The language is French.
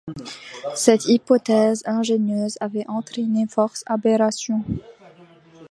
Cette hypothèse ingénieuse avait entraîné force aberrations.